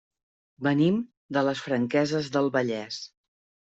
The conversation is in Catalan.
Venim de les Franqueses del Vallès.